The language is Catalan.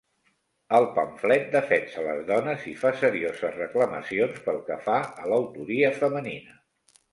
El pamflet defensa les dones i fa serioses reclamacions pel que fa a l'autoria femenina.